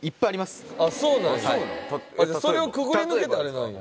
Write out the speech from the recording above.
それをくぐり抜けてあれなんや。